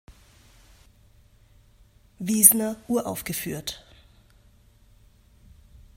Wiesner uraufgeführt.